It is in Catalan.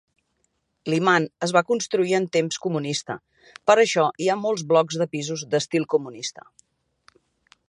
Liman es va construir en temps comunista, per això hi ha molts blocs de pisos d'estil comunista.